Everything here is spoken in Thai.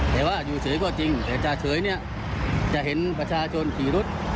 แต่ว่าอยู่เฉยก็จริงแต่จ่าเฉยเนี่ยจะเห็นประชาชนขี่รถ